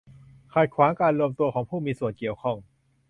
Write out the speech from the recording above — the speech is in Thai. ขัดขวางการรวมตัวของผู้มีส่วนเกี่ยวข้อง